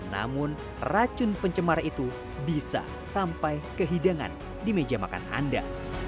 namun racun pencemar itu bisa sampai ke hidangan di meja makan anda